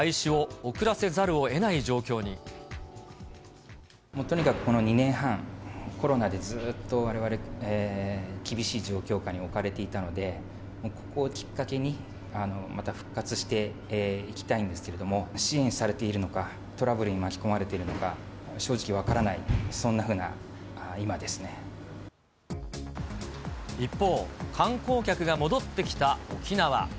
そのため、もうとにかくこの２年半、コロナでずーっとわれわれ、厳しい状況下に置かれていたので、ここをきっかけにまた復活していきたいんですけれども、支援されているのか、トラブルに巻き込まれているのか、正直分からない、そんなふうな今一方、観光客が戻ってきた沖縄。